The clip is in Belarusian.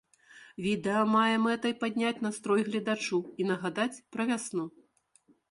Відэа мае мэтай падняць настрой гледачу і нагадаць пра вясну.